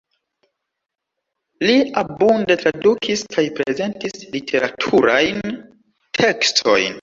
Li abunde tradukis kaj prezentis literaturajn tekstojn.